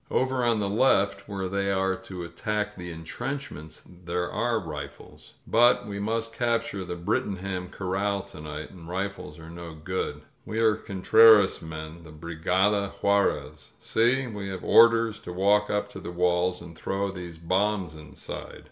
Over on the left, where they are to attack the intrenchments, there are rifles. But we must cap ture the Brlttingham Corral to night, and rifles are no good. We are Contreras' men, the Brigada Juarez. See, we have orders to walk up to the walls and throw these bombs inside!"